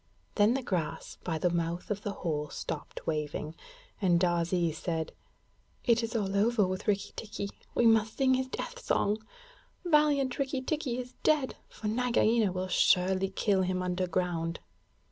Then the grass by the mouth of the hole stopped waving, and Darzee said: 'It is all over with Rikki tikki! We must sing his death song. Valiant Rikki tikki is dead! For Nagaina will surely kill him underground.'